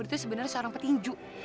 itu sebenarnya seorang petinju